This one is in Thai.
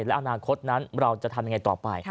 และอนาคตนั้นเราจะทำยังไงต่อไป